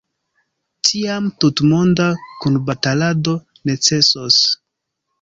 Tiam tutmonda kunbatalado necesos.